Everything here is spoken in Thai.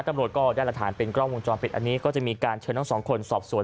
ตำรวจก็ได้หลักฐานเป็นกล้องวงจรปิดอันนี้ก็จะมีการเชิญทั้งสองคนสอบสวน